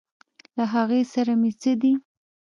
له هغې سره مې څه دي.